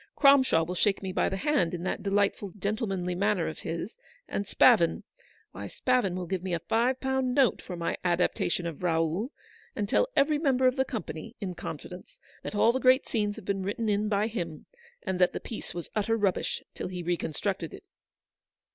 Cromshaw will shake me by the hand in that delightful, gentlemanly manner of his : and Spavin — why Spavin will give me a five pound note for my adaptation of ' Raoul,' and tell 108 every member of the company, in confidence, that all the great scenes have been written in by him, and that the piece was utter rubbish till he reconstructed it."